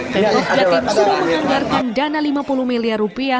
dan jatim sudah menganggarkan dana rp lima puluh miliar